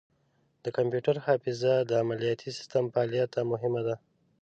د کمپیوټر حافظه د عملیاتي سیسټم فعالیت ته مهمه ده.